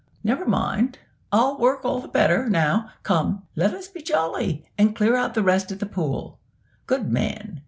"Never mind, I'll work all the better now come, let us be jolly, and clear out the rest of the pool." Good man!